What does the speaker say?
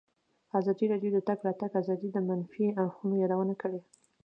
ازادي راډیو د د تګ راتګ ازادي د منفي اړخونو یادونه کړې.